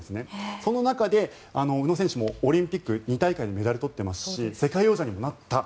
その中で、宇野選手もオリンピック、２大会でメダルを取っていますし世界王者にもなった。